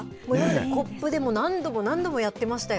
コップでも何度も何度もやってましたよ。